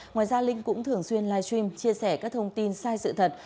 ngoài ra linh cũng thường xuyên live stream chia sẻ các thông tin sai sự thật